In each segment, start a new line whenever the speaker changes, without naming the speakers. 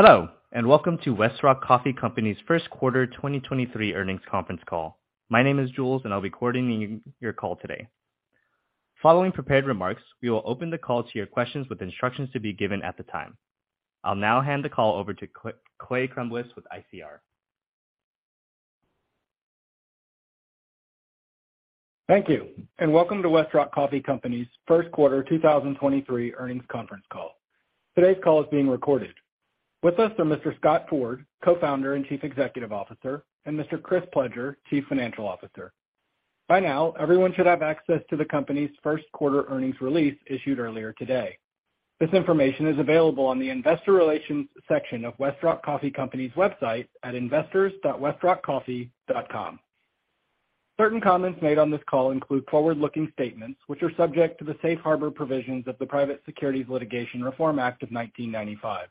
Hello, welcome to Westrock Coffee Company's First Quarter 2023 Earnings Conference Call. My name is Jules, and I'll be coordinating your call today. Following prepared remarks, we will open the call to your questions with instructions to be given at the time. I'll now hand the call over to Clay Crumbliss with ICR.
Thank you. Welcome to Westrock Coffee Company's First Quarter 2023 Earnings Conference Call. Today's call is being recorded. With us are Mr. Scott Ford, Co-founder and Chief Executive Officer, and Mr. Chris Pledger, Chief Financial Officer. By now, everyone should have access to the company's first quarter earnings release issued earlier today. This information is available on the Investor Relations section of Westrock Coffee Company's website at investors.westrockcoffee.com. Certain comments made on this call include forward-looking statements, which are subject to the safe harbor provisions of the Private Securities Litigation Reform Act of 1995.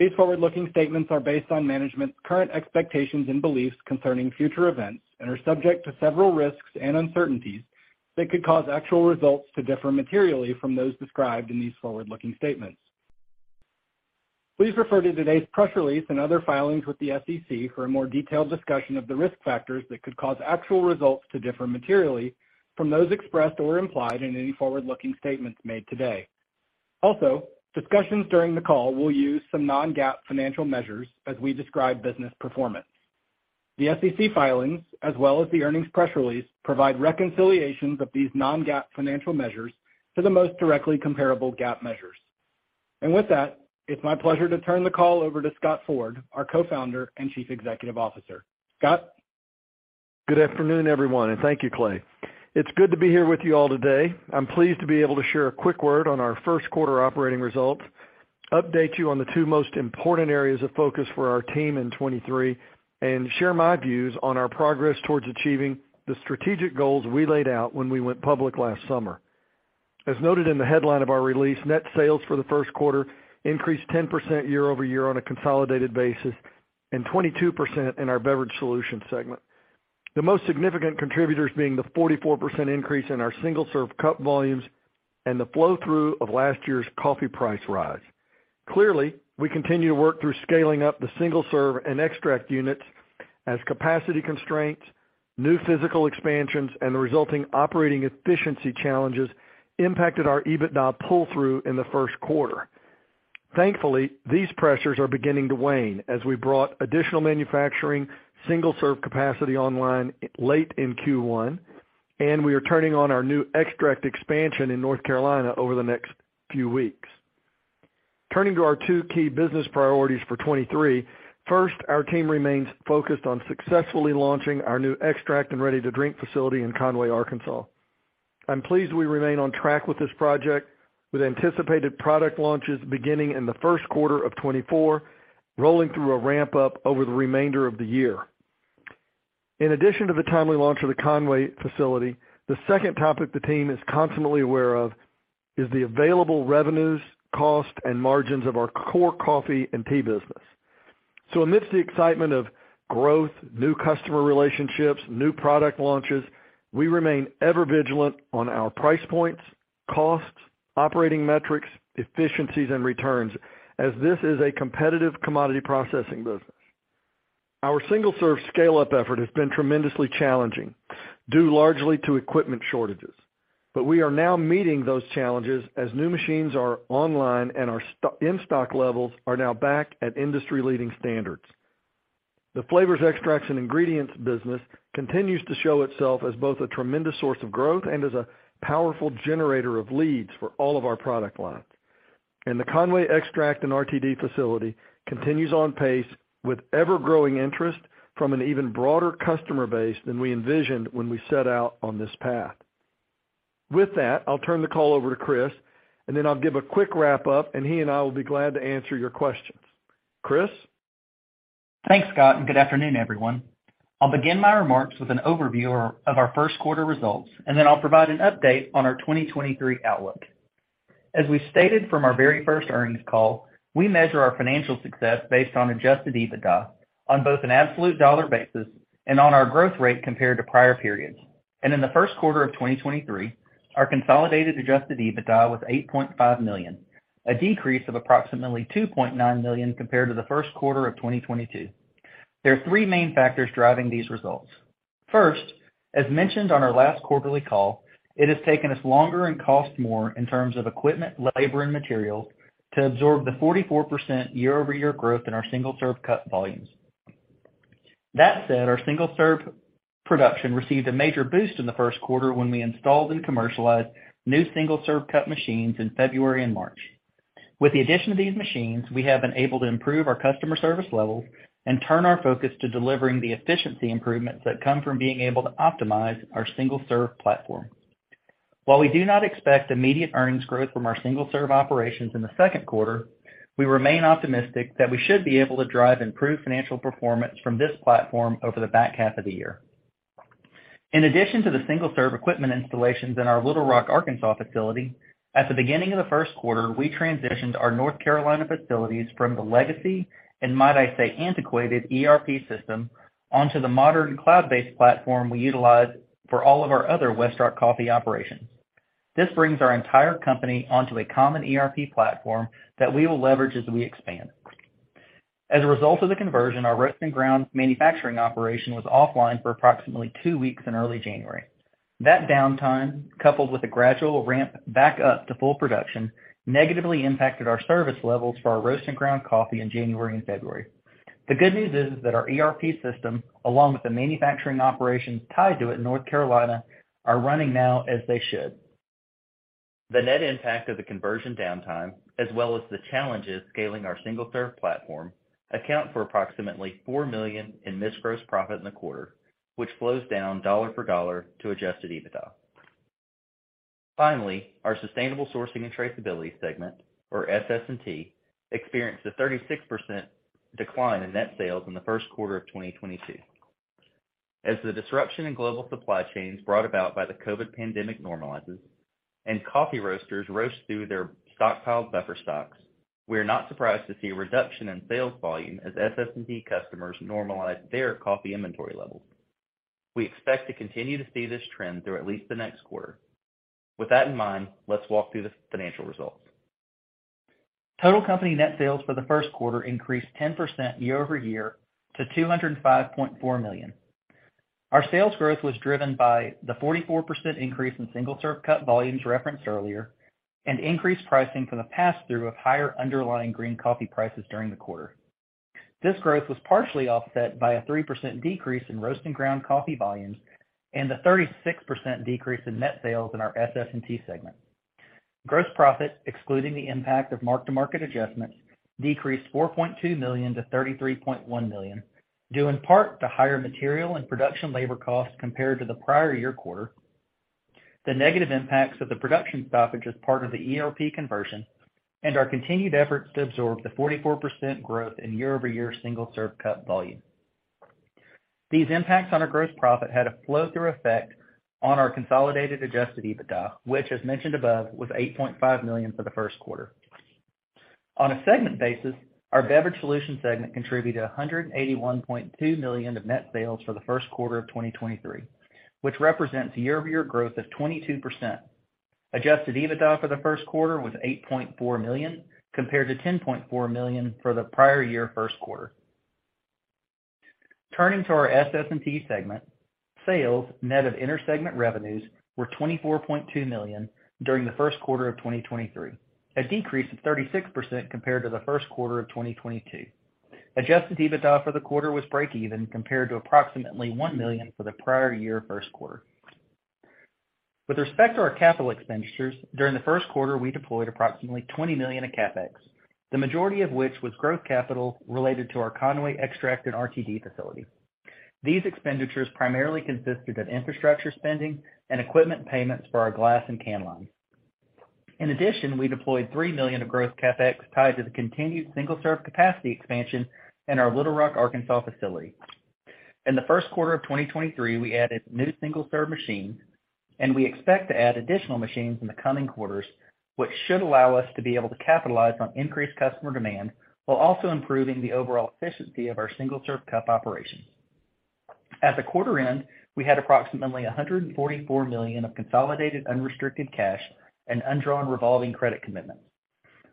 These forward-looking statements are based on management's current expectations and beliefs concerning future events and are subject to several risks and uncertainties that could cause actual results to differ materially from those described in these forward-looking statements. Please refer to today's press release and other filings with the SEC for a more detailed discussion of the risk factors that could cause actual results to differ materially from those expressed or implied in any forward-looking statements made today. Also, discussions during the call will use some non-GAAP financial measures as we describe business performance. The SEC filings as well as the earnings press release provide reconciliations of these non-GAAP financial measures to the most directly comparable GAAP measures. With that, it's my pleasure to turn the call over to Scott Ford, our Co-founder and Chief Executive Officer. Scott?
Good afternoon, everyone. Thank you, Clay. It's good to be here with you all today. I'm pleased to be able to share a quick word on our first quarter operating results, update you on the two most important areas of focus for our team in 2023, and share my views on our progress towards achieving the strategic goals we laid out when we went public last summer. As noted in the headline of our release, net sales for the first quarter increased 10% year-over-year on a consolidated basis and 22% in our Beverage Solutions segment. The most significant contributors being the 44% increase in our single-serve cup volumes and the flow through of last year's coffee price rise. Clearly, we continue to work through scaling up the single-serve and extract units as capacity constraints, new physical expansions, and the resulting operating efficiency challenges impacted our EBITDA pull-through in the first quarter. Thankfully, these pressures are beginning to wane as we brought additional manufacturing, single-serve capacity online late in Q1, and we are turning on our new extract expansion in North Carolina over the next few weeks. Turning to our two key business priorities for 2023, first, our team remains focused on successfully launching our new extract and ready-to-drink facility in Conway, Arkansas. I'm pleased we remain on track with this project with anticipated product launches beginning in the first quarter of 2024, rolling through a ramp-up over the remainder of the year. In addition to the timely launch of the Conway facility, the second topic the team is constantly aware of is the available revenues, cost, and margins of our core coffee and tea business. Amidst the excitement of growth, new customer relationships, new product launches, we remain ever vigilant on our price points, costs, operating metrics, efficiencies, and returns as this is a competitive commodity processing business. Our single-serve scale-up effort has been tremendously challenging, due largely to equipment shortages. We are now meeting those challenges as new machines are online and our in-stock levels are now back at industry-leading standards. The flavors, extracts, and ingredients business continues to show itself as both a tremendous source of growth and as a powerful generator of leads for all of our product lines. The Conway extract and RTD facility continues on pace with ever-growing interest from an even broader customer base than we envisioned when we set out on this path. With that, I'll turn the call over to Chris, and then I'll give a quick wrap up, and he and I will be glad to answer your questions. Chris?
Thanks, Scott. Good afternoon, everyone. I'll begin my remarks with an overview of our first quarter results, and then I'll provide an update on our 2023 outlook. As we stated from our very first earnings call, we measure our financial success based on Adjusted EBITDA on both an absolute dollar basis and on our growth rate compared to prior periods. In the first quarter of 2023, our consolidated Adjusted EBITDA was $8.5 million, a decrease of approximately $2.9 million compared to the first quarter of 2022. There are three main factors driving these results. First, as mentioned on our last quarterly call, it has taken us longer and cost more in terms of equipment, labor, and materials to absorb the 44% year-over-year growth in our single-serve cup volumes. That said, our single-serve production received a major boost in the first quarter when we installed and commercialized new single-serve cup machines in February and March. With the addition of these machines, we have been able to improve our customer service levels and turn our focus to delivering the efficiency improvements that come from being able to optimize our single-serve platform. While we do not expect immediate earnings growth from our single-serve operations in the second quarter, we remain optimistic that we should be able to drive improved financial performance from this platform over the back half of the year. In addition to the single-serve equipment installations in our Little Rock, Arkansas facility, at the beginning of the first quarter, we transitioned our North Carolina facilities from the legacy, and might I say, antiquated ERP system onto the modern cloud-based platform we utilize for all of our other Westrock Coffee operations. This brings our entire company onto a common ERP platform that we will leverage as we expand. As a result of the conversion, our roast and ground manufacturing operation was offline for approximately two weeks in early January. That downtime, coupled with a gradual ramp back up to full production, negatively impacted our service levels for our roast and ground coffee in January and February. The good news is that our ERP system, along with the manufacturing operations tied to it in North Carolina, are running now as they should. The net impact of the conversion downtime, as well as the challenges scaling our single-serve platform, account for approximately $4 million in missed gross profit in the quarter, which flows down dollar for dollar to Adjusted EBITDA. Our sustainable sourcing and traceability segment, or SS&T, experienced a 36% decline in net sales in the first quarter of 2022. As the disruption in global supply chains brought about by the COVID pandemic normalizes and coffee roasters roast through their stockpiled buffer stocks, we are not surprised to see a reduction in sales volume as SS&T customers normalize their coffee inventory levels. We expect to continue to see this trend through at least the next quarter. With that in mind, let's walk through the financial results. Total company net sales for the first quarter increased 10% year-over-year to $205.4 million. Our sales growth was driven by the 44% increase in single-serve cup volumes referenced earlier and increased pricing from the pass-through of higher underlying green coffee prices during the quarter. This growth was partially offset by a 3% decrease in roast and ground coffee volumes and a 36% decrease in net sales in our SS&T segment. Gross profit, excluding the impact of mark-to-market adjustments, decreased $4.2 million to $33.1 million, due in part to higher material and production labor costs compared to the prior year quarter, the negative impacts of the production stoppage as part of the ERP conversion, and our continued efforts to absorb the 44% growth in year-over-year single-serve cup volume. These impacts on our gross profit had a flow-through effect on our consolidated Adjusted EBITDA, which, as mentioned above, was $8.5 million for the first quarter. On a segment basis, our Beverage Solutions segment contributed $181.2 million of net sales for the first quarter of 2023, which represents year-over-year growth of 22%. Adjusted EBITDA for the first quarter was $8.4 million, compared to $10.4 million for the prior year first quarter. Turning to our SS&T segment, sales net of intersegment revenues were $24.2 million during the first quarter of 2023, a decrease of 36% compared to the first quarter of 2022. Adjusted EBITDA for the quarter was breakeven compared to approximately $1 million for the prior year first quarter. With respect to our capital expenditures, during the first quarter, we deployed approximately $20 million of CapEx, the majority of which was growth capital related to our Conway extract and RTD facility. These expenditures primarily consisted of infrastructure spending and equipment payments for our glass and can line. We deployed $3 million of growth CapEx tied to the continued single-serve capacity expansion in our Little Rock, Arkansas facility. In the first quarter of 2023, we added new single-serve machines. We expect to add additional machines in the coming quarters, which should allow us to be able to capitalize on increased customer demand while also improving the overall efficiency of our single-serve cup operation. At the quarter end, we had approximately $144 million of consolidated unrestricted cash and undrawn revolving credit commitments.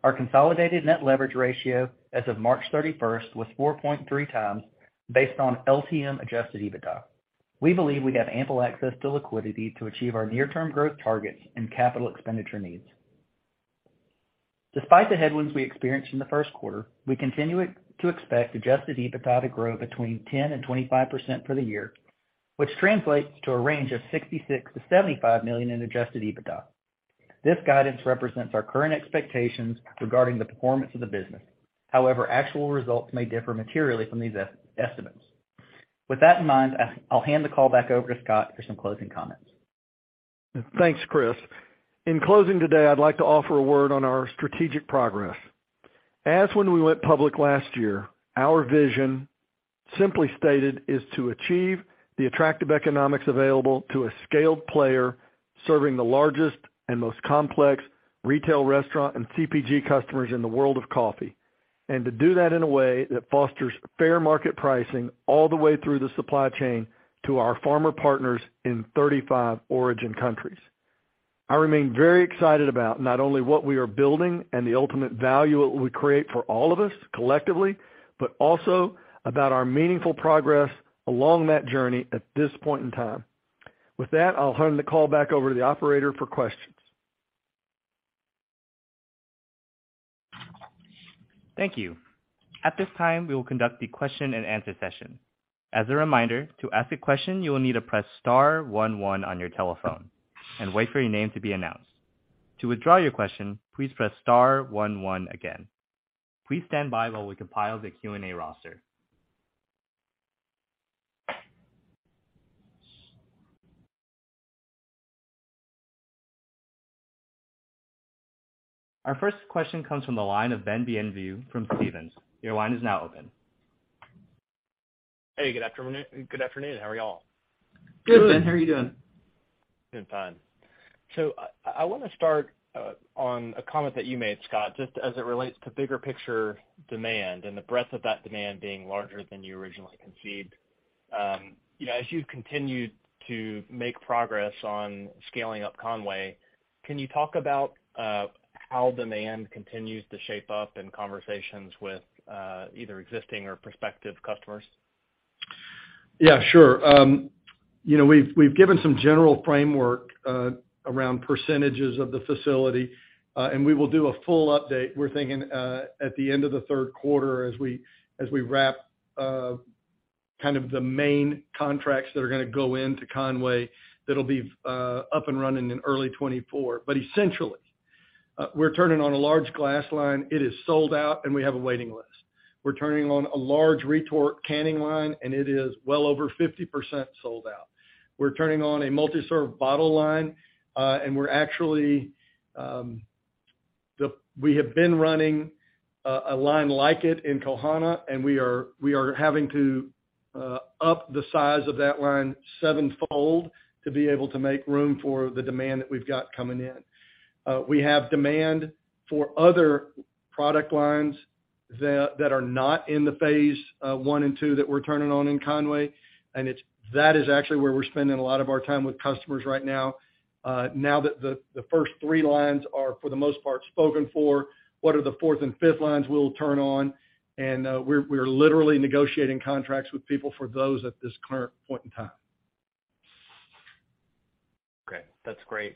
Our consolidated net leverage ratio as of March 31st was 4.3x based on LTM Adjusted EBITDA. We believe we have ample access to liquidity to achieve our near-term growth targets and capital expenditure needs. Despite the headwinds we experienced in the first quarter, we continue to expect Adjusted EBITDA to grow between 10% and 25% for the year, which translates to a range of $66 million-$75 million in Adjusted EBITDA. This guidance represents our current expectations regarding the performance of the business. Actual results may differ materially from these estimates. With that in mind, I'll hand the call back over to Scott for some closing comments.
Thanks, Chris. In closing today, I'd like to offer a word on our strategic progress. As when we went public last year, our vision, simply stated, is to achieve the attractive economics available to a scaled player serving the largest and most complex retail, restaurant, and CPG customers in the world of coffee, and to do that in a way that fosters fair market pricing all the way through the supply chain to our farmer partners in 35 origin countries. I remain very excited about not only what we are building and the ultimate value it will create for all of us collectively, but also about our meaningful progress along that journey at this point in time. With that, I'll hand the call back over to the operator for questions.
Thank you. At this time, we will conduct the question-and-answer session. As a reminder, to ask a question, you will need to press star one one on your telephone and wait for your name to be announced. To withdraw your question, please press star one one again. Please stand by while we compile the Q&A roster. Our first question comes from the line of Ben Bienvenu from Stephens. Your line is now open.
Hey, good afternoon. Good afternoon. How are y'all?
Good. Ben, how are you doing?
Doing fine. I wanna start on a comment that you made, Scott, just as it relates to bigger picture demand and the breadth of that demand being larger than you originally conceived. You know, as you continue to make progress on scaling up Conway, can you talk about how demand continues to shape up in conversations with either existing or prospective customers?
Yeah, sure. you know, we've given some general framework around percentages of the facility, and we will do a full update, we're thinking at the end of the third quarter as we, as we wrap kind of the main contracts that are gonna go into Conway that'll be up and running in early 2024. Essentially, we're turning on a large glass line. It is sold out, and we have a waiting list. We're turning on a large retort canning line, and it is well over 50% sold out. We're turning on a multi-serve bottle line, and we're actually, We have been running a line like it in Kohana, and we are, we are having to up the size of that line sevenfold to be able to make room for the demand that we've got coming in. We have demand for other product lines that are not in the phase I and II that we're turning on in Conway, that is actually where we're spending a lot of our time with customers right now. Now that the first three lines are, for the most part, spoken for, what are the fourth and fifth lines we'll turn on? We're literally negotiating contracts with people for those at this current point in time.
Okay, that's great.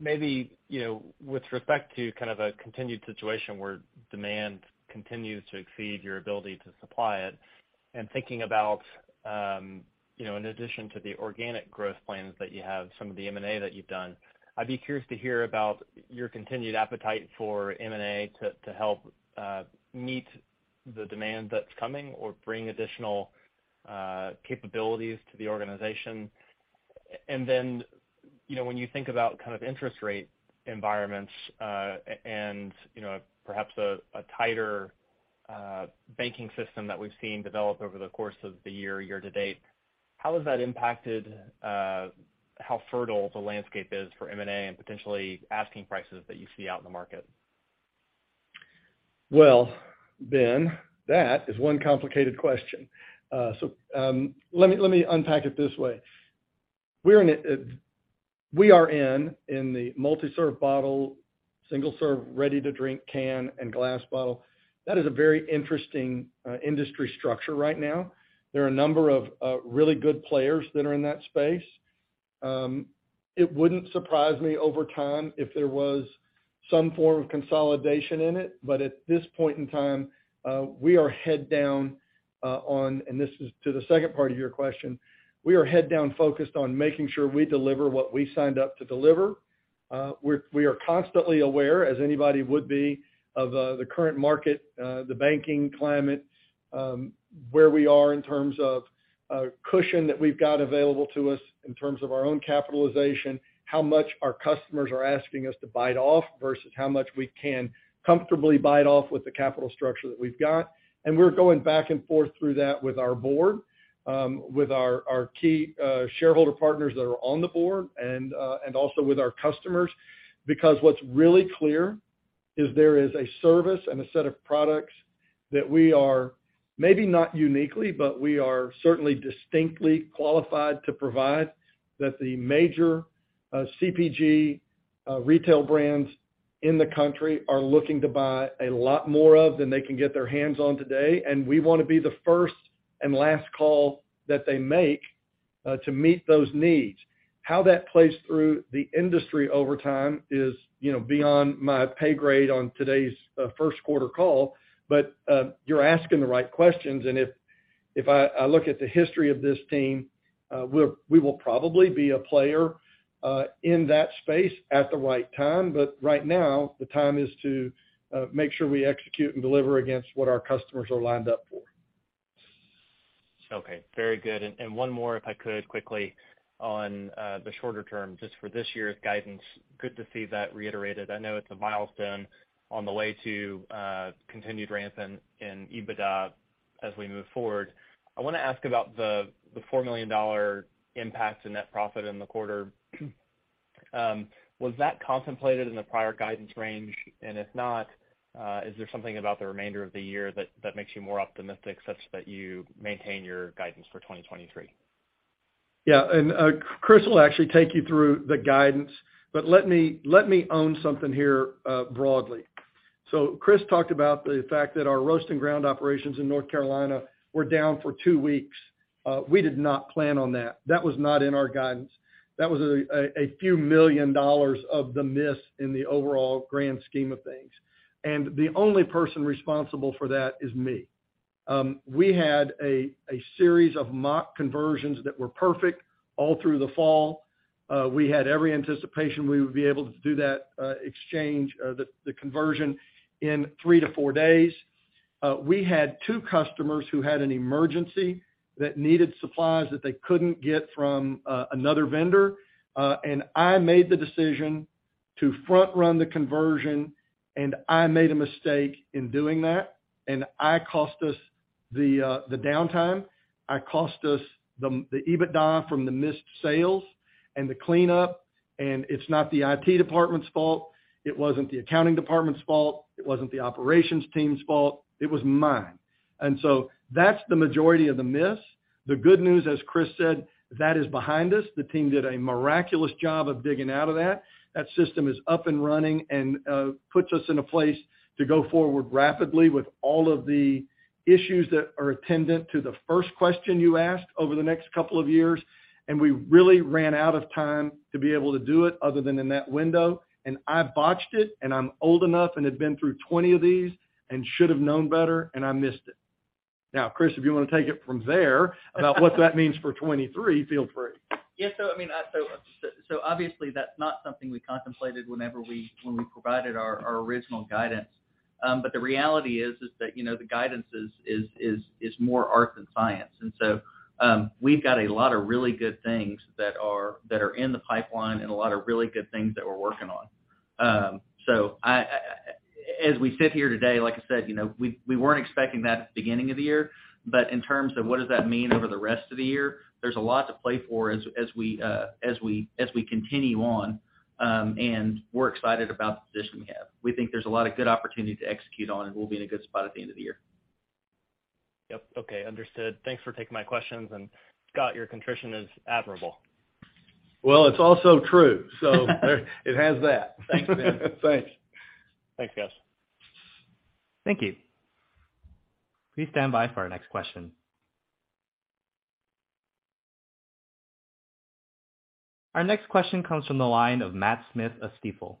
Maybe, you know, with respect to kind of a continued situation where demand continues to exceed your ability to supply it and thinking about, you know, in addition to the organic growth plans that you have, some of the M&A that you've done, I'd be curious to hear about your continued appetite for M&A to help meet the demand that's coming or bring additional capabilities to the organization. Then, you know, when you think about kind of interest rate environments, and, you know, perhaps a tighter banking system that we've seen develop over the course of the year-to-date, how has that impacted how fertile the landscape is for M&A and potentially asking prices that you see out in the market?
Ben, that is one complicated question. Let me unpack it this way. We are in the multi-serve bottle, single-serve, ready-to-drink can and glass bottle. That is a very interesting industry structure right now. There are a number of really good players that are in that space. It wouldn't surprise me over time if there was some form of consolidation in it. At this point in time, we are head down on. This is to the second part of your question. We are head down focused on making sure we deliver what we signed up to deliver. We are constantly aware, as anybody would be, of the current market, the banking climate, where we are in terms of a cushion that we've got available to us in terms of our own capitalization, how much our customers are asking us to bite off versus how much we can comfortably bite off with the capital structure that we've got. We're going back and forth through that with our board, with our key shareholder partners that are on the board and also with our customers. What's really clear is there is a service and a set of products that we are, maybe not uniquely, but we are certainly distinctly qualified to provide that the major CPG retail brands in the country are looking to buy a lot more of than they can get their hands on today. We wanna be the first and last call that they make to meet those needs. How that plays through the industry over time is, you know, beyond my pay grade on today's first quarter call. You're asking the right questions. If I look at the history of this team, we will probably be a player in that space at the right time. Right now, the time is to make sure we execute and deliver against what our customers are lined up for.
Okay, very good. One more, if I could quickly on the shorter term, just for this year's guidance. Good to see that reiterated. I know it's a milestone on the way to continued ramps in EBITDA as we move forward. I wanna ask about the $4 million impact to net profit in the quarter. Was that contemplated in the prior guidance range? If not, is there something about the remainder of the year that makes you more optimistic such that you maintain your guidance for 2023?
Chris will actually take you through the guidance, but let me, let me own something here broadly. Chris talked about the fact that our roast and ground operations in North Carolina were down for two weeks. We did not plan on that. That was not in our guidance. That was a few million dollars of the miss in the overall grand scheme of things. The only person responsible for that is me. We had a series of mock conversions that were perfect all through the fall. We had every anticipation we would be able to do that exchange, the conversion in three to four days. We had two customers who had an emergency that needed supplies that they couldn't get from another vendor. I made the decision to front-run the conversion, and I made a mistake in doing that, and I cost us the downtime. I cost us the EBITDA from the missed sales. The cleanup, and it's not the IT department's fault, it wasn't the accounting department's fault, it wasn't the operations team's fault, it was mine. That's the majority of the miss. The good news, as Chris said, that is behind us. The team did a miraculous job of digging out of that. That system is up and running and puts us in a place to go forward rapidly with all of the issues that are attendant to the first question you asked over the next couple of years. We really ran out of time to be able to do it other than in that window. I botched it, and I'm old enough and have been through 20 of these and should have known better, and I missed it. Chris, if you wanna take it from there about what that means for 23, feel free.
Yeah, so I mean, so obviously that's not something we contemplated when we provided our original guidance. The reality is that, you know, the guidance is more art than science. We've got a lot of really good things that are in the pipeline and a lot of really good things that we're working on. As we sit here today, like I said, you know, we weren't expecting that at the beginning of the year. In terms of what does that mean over the rest of the year, there's a lot to play for as we continue on, and we're excited about the position we have. We think there's a lot of good opportunity to execute on, and we'll be in a good spot at the end of the year.
Yep. Okay. Understood. Thanks for taking my questions. Scott, your contrition is admirable.
Well, it's also true, it has that.
Thanks, man.
Thanks.
Thanks, guys.
Thank you. Please stand by for our next question. Our next question comes from the line of Matt Smith of Stifel.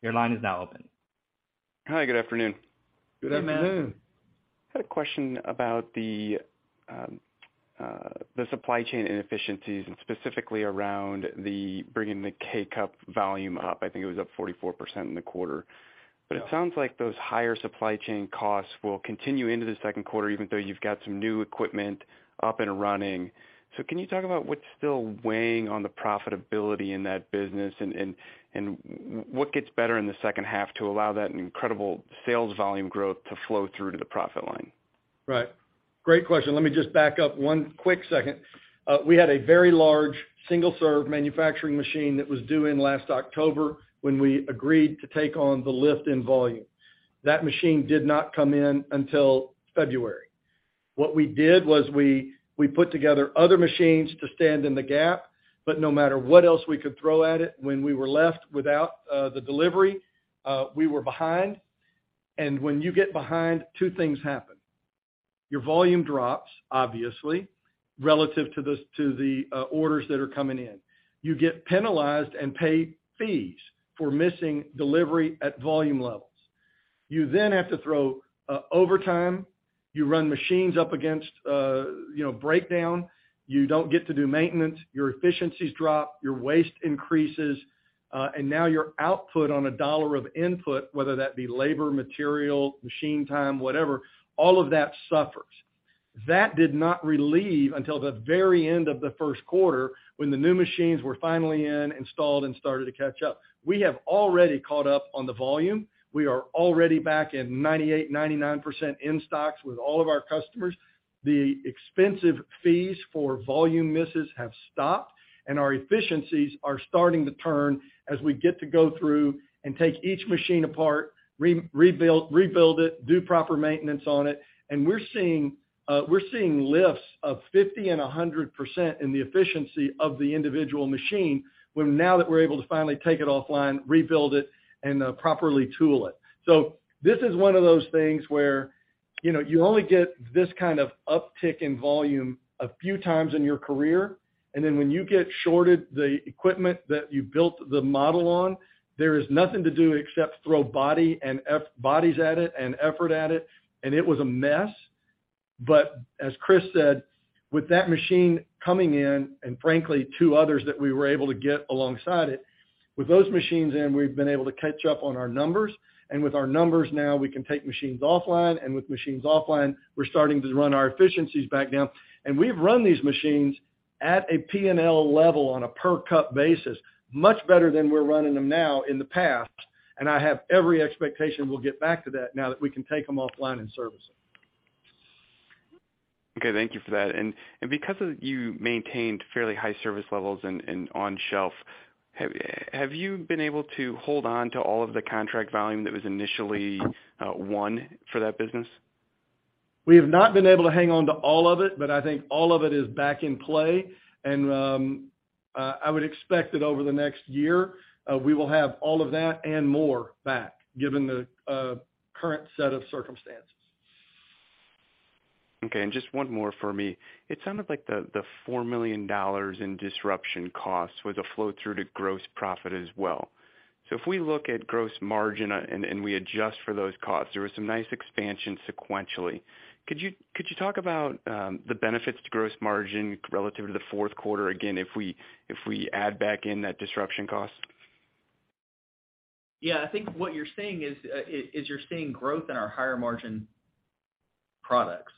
Your line is now open.
Hi, good afternoon.
Good afternoon.
Good afternoon.
I had a question about the supply chain inefficiencies and specifically around the bringing the K-Cup volume up. I think it was up 44% in the quarter.
Yeah.
It sounds like those higher supply chain costs will continue into the second quarter, even though you've got some new equipment up and running. Can you talk about what's still weighing on the profitability in that business? What gets better in the second half to allow that incredible sales volume growth to flow through to the profit line?
Right. Great question. Let me just back up one quick second. We had a very large single-serve manufacturing machine that was due in last October when we agreed to take on the lift in volume. That machine did not come in until February. What we did was we put together other machines to stand in the gap, but no matter what else we could throw at it, when we were left without the delivery, we were behind. When you get behind, two things happen. Your volume drops, obviously, relative to the orders that are coming in. You get penalized and pay fees for missing delivery at volume levels. You then have to throw overtime. You run machines up against, you know, breakdown. You don't get to do maintenance. Your efficiencies drop. Your waste increases. Now your output on a $1 of input, whether that be labor, material, machine time, whatever, all of that suffers. That did not relieve until the very end of the first quarter when the new machines were finally in, installed, and started to catch up. We have already caught up on the volume. We are already back in 98, 99% in stocks with all of our customers. The expensive fees for volume misses have stopped, and our efficiencies are starting to turn as we get to go through and take each machine apart, rebuild it, do proper maintenance on it, and we're seeing, we're seeing lifts of 50 and 100% in the efficiency of the individual machine when now that we're able to finally take it offline, rebuild it, and properly tool it. This is one of those things where, you know, you only get this kind of uptick in volume a few times in your career, and then when you get shorted the equipment that you built the model on, there is nothing to do except throw bodies at it and effort at it. It was a mess. As Chris said, with that machine coming in and frankly, two others that we were able to get alongside it, with those machines in, we've been able to catch up on our numbers. With our numbers now, we can take machines offline, and with machines offline, we're starting to run our efficiencies back down. We've run these machines at a P&L level on a per cup basis, much better than we're running them now in the past. I have every expectation we'll get back to that now that we can take them offline and service them.
Okay. Thank you for that. Because of you maintained fairly high service levels and on shelf, have you been able to hold on to all of the contract volume that was initially won for that business?
We have not been able to hang on to all of it, but I think all of it is back in play. I would expect that over the next year, we will have all of that and more back given the current set of circumstances.
Okay. Just one more for me. It sounded like the $4 million in disruption costs was a flow through to gross profit as well. If we look at gross margin and we adjust for those costs, there was some nice expansion sequentially. Could you talk about the benefits to gross margin relative to the fourth quarter again if we add back in that disruption cost?
Yeah. I think what you're seeing is you're seeing growth in our higher margin products.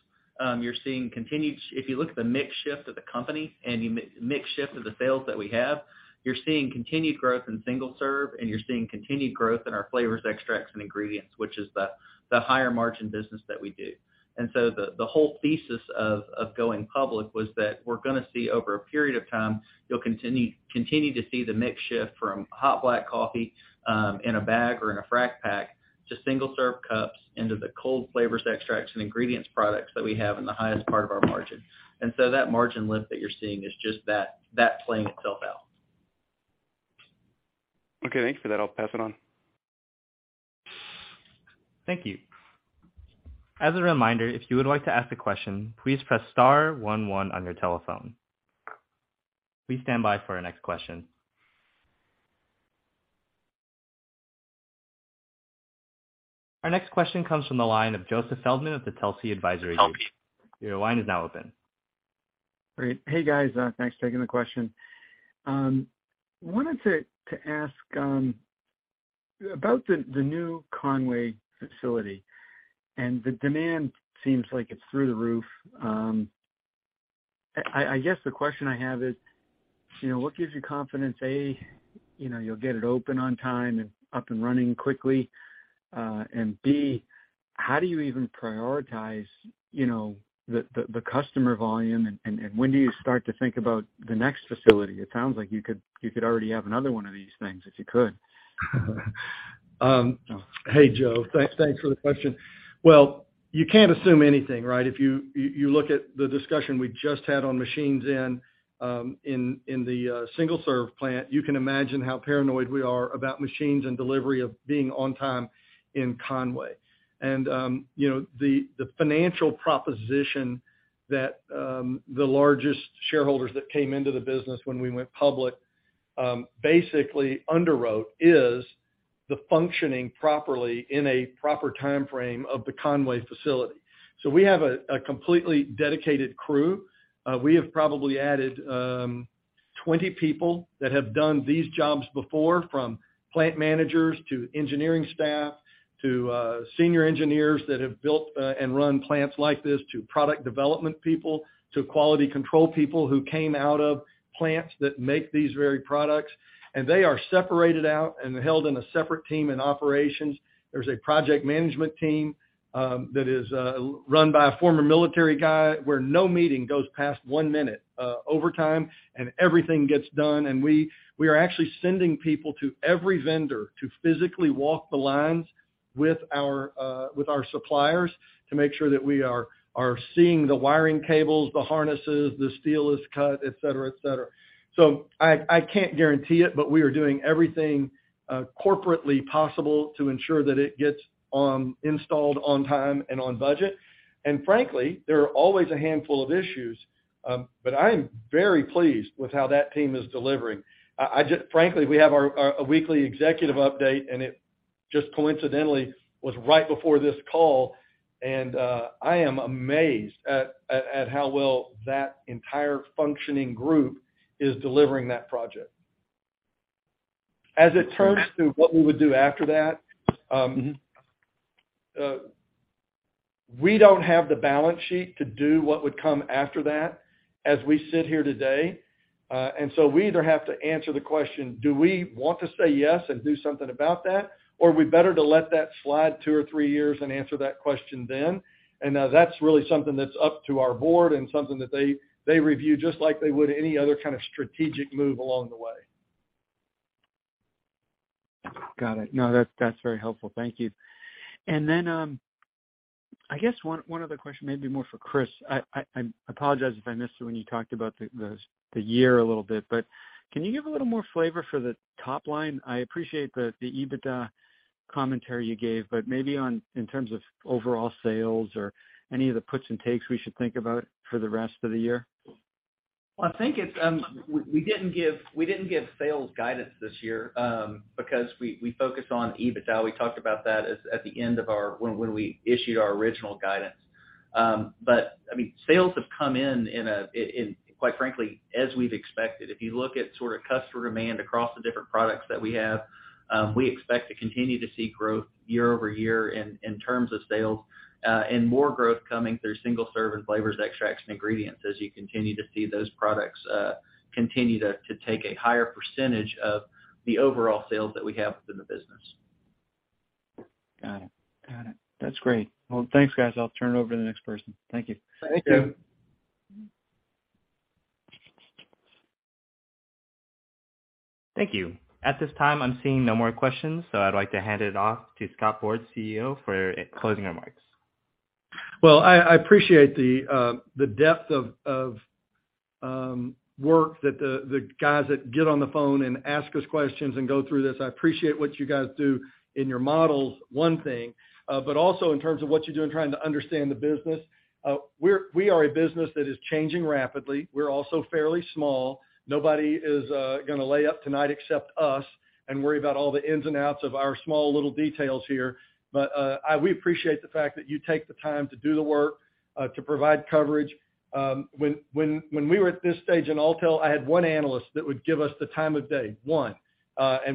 You're seeing. If you look at the mix shift of the company and the mix shift of the sales that we have, you're seeing continued growth in single-serve, and you're seeing continued growth in our flavors, extracts, and ingredients, which is the higher margin business that we do. The whole thesis of going public was that we're gonna see over a period of time, you'll continue to see the mix shift from hot black coffee in a bag or in a frac pack to single-serve cups into the cold flavors, extracts, and ingredients products that we have in the highest part of our margin. That margin lift that you're seeing is just that playing itself out.
Okay, thanks for that. I'll pass it on. Thank you. As a reminder, if you would like to ask a question, please press star one one on your telephone. Please stand by for our next question. Our next question comes from the line of Joseph Feldman of the Telsey Advisory Group. Your line is now open.
Great. Hey, guys, thanks for taking the question. Wanted to ask about the new Conway facility and the demand seems like it's through the roof. I guess the question I have is, you know, what gives you confidence, A, you know, you'll get it open on time and up and running quickly, and B, how do you even prioritize, you know, the customer volume and when do you start to think about the next facility? It sounds like you could already have another one of these things if you could.
Hey, Joe. Thanks for the question. Well, you can't assume anything, right? If you look at the discussion we just had on machines in the single-serve plant, you can imagine how paranoid we are about machines and delivery of being on time in Conway. You know, the financial proposition that the largest shareholders that came into the business when we went public basically underwrote is the functioning properly in a proper timeframe of the Conway facility. We have a completely dedicated crew. We have probably added 20 people that have done these jobs before, from plant managers to engineering staff to senior engineers that have built and run plants like this to product development people, to quality control people who came out of plants that make these very products. They are separated out and held in a separate team in operations. There's a project management team that is run by a former military guy where no meeting goes past one minute over time, and everything gets done. We are actually sending people to every vendor to physically walk the lines with our suppliers to make sure that we are seeing the wiring cables, the harnesses, the steel is cut, et cetera, et cetera. I can't guarantee it, but we are doing everything corporately possible to ensure that it gets installed on time and on budget. Frankly, there are always a handful of issues, but I am very pleased with how that team is delivering. I just frankly, we have our a weekly executive update, and it just coincidentally was right before this call, and I am amazed at how well that entire functioning group is delivering that project. As it turns to what we would do after that, we don't have the balance sheet to do what would come after that as we sit here today. We either have to answer the question, do we want to say yes and do something about that, or are we better to let that slide two or three years and answer that question then? That's really something that's up to our board and something that they review just like they would any other kind of strategic move along the way.
Got it. No, that's very helpful. Thank you. Then, I guess one other question, maybe more for Chris. I apologize if I missed it when you talked about the year a little bit, but can you give a little more flavor for the top line? I appreciate the EBITDA commentary you gave, but maybe in terms of overall sales or any of the puts and takes we should think about for the rest of the year.
I think it's, we didn't give sales guidance this year, because we focused on EBITDA. We talked about that at the end of our when we issued our original guidance. I mean, sales have come in in a quite frankly, as we've expected. If you look at sort of customer demand across the different products that we have, we expect to continue to see growth year-over-year in terms of sales, and more growth coming through single-serve and flavors, extracts, and ingredients as you continue to see those products continue to take a higher percentage of the overall sales that we have within the business.
Got it. Got it. That's great. Well, thanks, guys. I'll turn it over to the next person. Thank you.
Thank you.
Thank you.
Thank you. At this time, I'm seeing no more questions. I'd like to hand it off to Scott Ford, CEO, for closing remarks.
Well, I appreciate the depth of work that the guys that get on the phone and ask us questions and go through this. I appreciate what you guys do in your models, one thing. Also in terms of what you do in trying to understand the business. We are a business that is changing rapidly. We're also fairly small. Nobody is gonna lay up tonight except us and worry about all the ins and outs of our small little details here. We appreciate the fact that you take the time to do the work to provide coverage. When we were at this stage in Alltel, I had one analyst that would give us the time of day. One.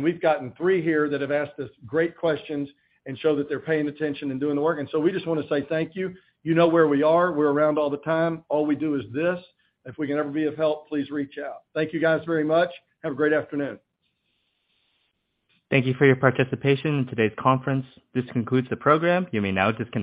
We've gotten three here that have asked us great questions and show that they're paying attention and doing the work. We just wanna say thank you. You know where we are. We're around all the time. All we do is this. If we can ever be of help, please reach out. Thank you, guys, very much. Have a great afternoon.
Thank you for your participation in today's conference. This concludes the program. You may now disconnect.